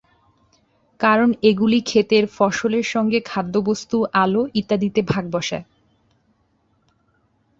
কারণ এগুলি ক্ষেতের ফসলের সঙ্গে খাদ্যবস্ত্ত, আলো ইত্যাদিতে ভাগ বসায়।